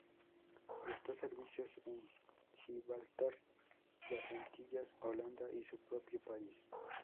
Prestó servicios en Gibraltar, las Antillas, Holanda y su propio país.